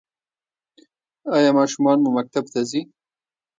ایا ماشومان مو مکتب ته ځي؟